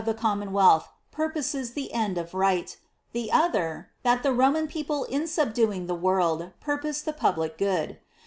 VI] DE MONARCHIA 97 commonwealth purposes the end of Right ;, the other, that the Roman people in subduing the world purposed the public good.